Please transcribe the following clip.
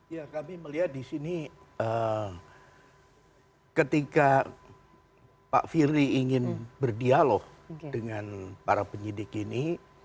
ya kami melihat di sini ketika pak firly ingin berdialog dengan para penyidik ini